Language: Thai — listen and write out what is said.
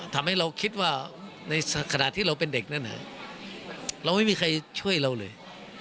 ทำให้เราคิดว่าในขณะที่เราเป็นเด็กนั้นเราไม่มีใครช่วยเราเลย